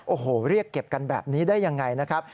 โอ้โหเรียกเก็บกันแบบนี้ได้ยังไงนะครับ